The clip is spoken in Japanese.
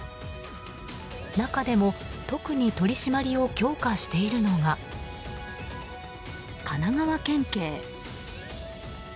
中でも特に取り締まりを強化しているのが、神奈川県警。